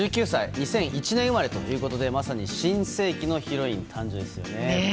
２００１年生まれということでまさに新世紀のヒロイン誕生ですよね。